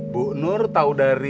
bu nur tau dari